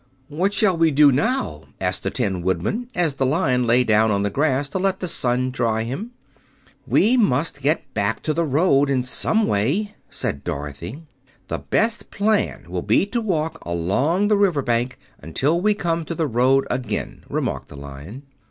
"What shall we do now?" asked the Tin Woodman, as the Lion lay down on the grass to let the sun dry him. "We must get back to the road, in some way," said Dorothy. "The best plan will be to walk along the riverbank until we come to the road again," remarked the Lion.